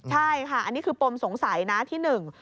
ใช่ค่ะอันนี้คือปมสงสัยนะที่หนึ่ง